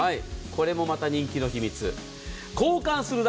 これもまた人気の秘密。